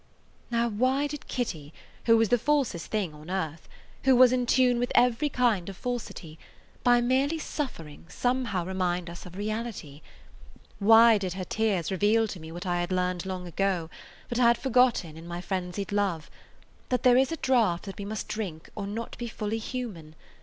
Now, why did Kitty, who was the falsest thing on earth, who was in tune with every kind of falsity, by merely suffering somehow remind us of reality? Why did her tears reveal to me what I had learned long ago, but had forgotten in my frenzied love, that there is a draft that we must drink or not be fully human?